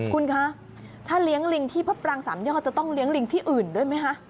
คุณคะถ้าเลี้ยงลิงที่พระปรางสามยอดจะต้องเลี้ยงลิงที่อื่นด้วยไหมคะ